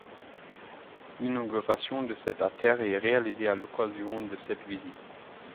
L'inauguration de cette artère est réalisée à l'occasion de cette visite.